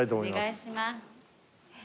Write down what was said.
お願いします。